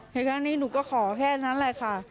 ในครั้งนี้หนูก็ขอแค่นั้นแหละค่ะ